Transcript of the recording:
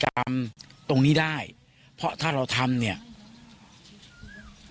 คุณสังเงียมต้องตายแล้วคุณสังเงียม